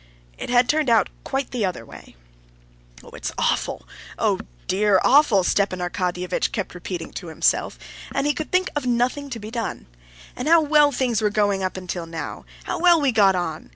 It had turned out quite the other way. "Oh, it's awful! oh dear, oh dear! awful!" Stepan Arkadyevitch kept repeating to himself, and he could think of nothing to be done. "And how well things were going up till now! how well we got on!